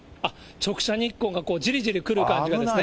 直射日光がじりじりくる感じがですね。